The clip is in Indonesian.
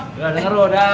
nggak denger lo udah